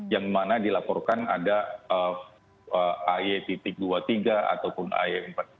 yang mana dilaporkan ada ay dua puluh tiga ataupun ay empat puluh